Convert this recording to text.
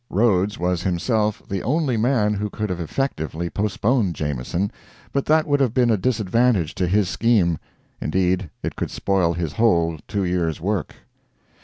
Rhodes was himself the only man who could have effectively postponed Jameson, but that would have been a disadvantage to his scheme; indeed, it could spoil his whole two years' work.